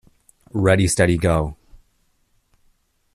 "Ready Steady Go!